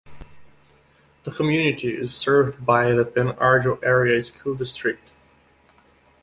The community is served by the Pen Argyl Area School District.